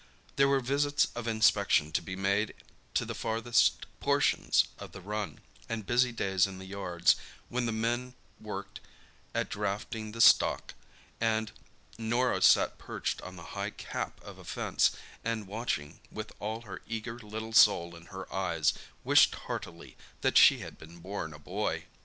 There were visits of inspection to be made to the farthest portions of the run, and busy days in the yards, when the men worked at drafting the stock, and Norah sat perched on the high "cap" of a fence and, watching with all her eager little soul in her eyes, wished heartily that she had been born a boy.